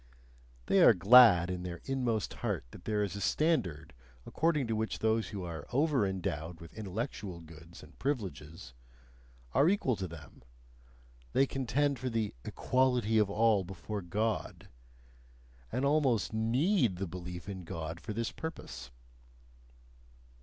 They are glad in their inmost heart that there is a standard according to which those who are over endowed with intellectual goods and privileges, are equal to them, they contend for the "equality of all before God," and almost NEED the belief in God for this purpose.